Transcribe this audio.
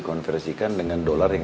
pusha udah berapa ora ya